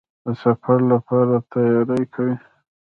د سفر لپاره تیاری کوئ؟